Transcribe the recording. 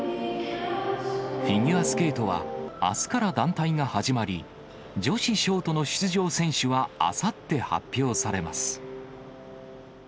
フィギュアスケートは、あすから団体が始まり、女子ショートの出場選手はあさって発表されます。